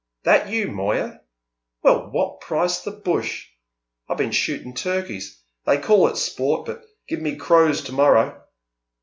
"That you, Moya? Well, what price the bush? I've been shooting turkeys; they call it sport; but give me crows to morrow!